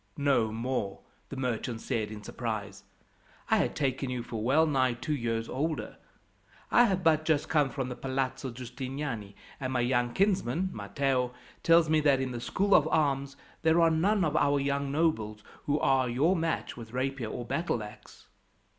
"No more!" the merchant said in surprise. "I had taken you for well nigh two years older. I have but just come from the Palazzo Giustiniani, and my young kinsman, Matteo, tells me that in the School of Arms there are none of our young nobles who are your match with rapier or battleaxe."